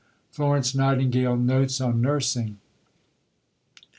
FLORENCE NIGHTINGALE: Notes on Nursing.